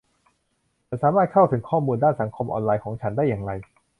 ฉันสามารถเข้าถึงข้อมูลด้านสังคมออนไลน์ของฉันได้อย่างไร